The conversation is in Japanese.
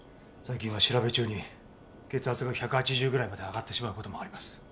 最近は調べ中に血圧が１８０ぐらいまで上がってしまう事もあります。